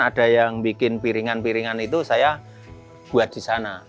ada yang bikin piringan piringan itu saya buat di sana